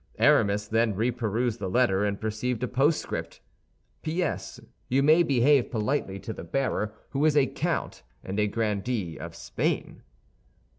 Aramis then reperused the letter, and perceived a postscript: PS. You may behave politely to the bearer, who is a count and a grandee of Spain!